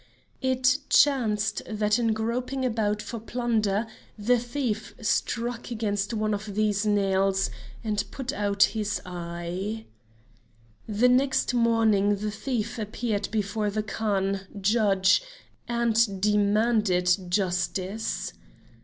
It chanced that in groping about for plunder, the thief struck against one of these nails and put out his eye. The next morning the thief appeared before the Khan (Judge) and demanded justice.